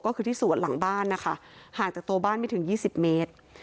ก็คือที่สวนหลังบ้านนะคะห่างจากตัวบ้านไม่ถึง๒๐เมตร